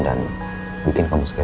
dan bikin kamu sakit hati